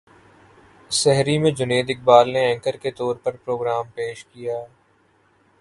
سحری میں جنید اقبال نے اینکر کے طور پر پروگرام پیش کیا